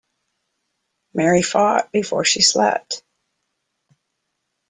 Mary fought before she slept.